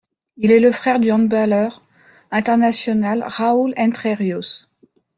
Il est le frère du handballeur international Raúl Entrerríos.